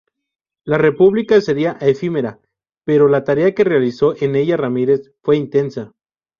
La república sería efímera, pero la tarea que realizó en ella Ramírez fue intensa.